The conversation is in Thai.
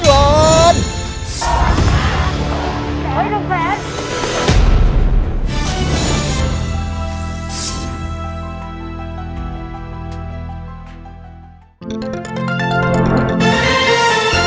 เฮ้ยลุงแสน